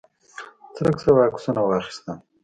څرک صاحب عکسونه واخیستل.